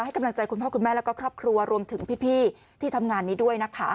กำลังใจคุณพ่อคุณแม่แล้วก็ครอบครัวรวมถึงพี่ที่ทำงานนี้ด้วยนะคะ